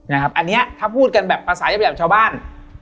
อันนี้ถ้าพูดกันแบบภาษาจะแบบชาวบ้าน